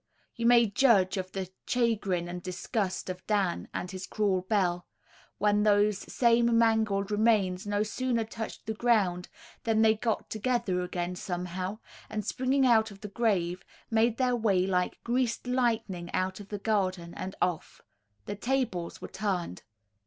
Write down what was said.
You may judge of the chagrin and disgust of Dan and his cruel Bell, when those same mangled remains no sooner touched the ground, than they got together again somehow, and springing out of the grave, made their way like greased lightning out of the garden and off. The tables were turned.